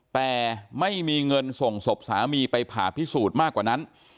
แต่ไม่มีเงินส่งศพสามีไปผ่าพิสูจน์มากกว่านั้น